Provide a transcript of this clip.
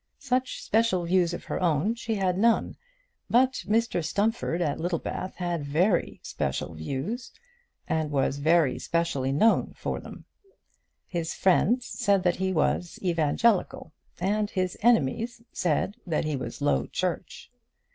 Such special views of her own she had none. But Mr Stumfold at Littlebath had very special views, and was very specially known for them. His friends said that he was evangelical, and his enemies said that he was Low Church.